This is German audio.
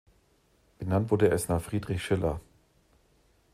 Benannt wurde es nach Friedrich Schiller.